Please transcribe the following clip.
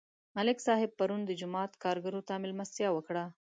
ملک صاحب پرون د جومات کارګرو ته مېلمستیا وکړه.